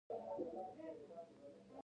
د حميد شونډې وخوځېدې.